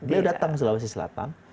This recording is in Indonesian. beliau datang di sulawesi selatan